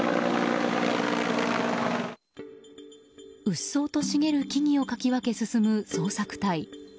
うっそうと茂る木々をかき分け進む捜索隊。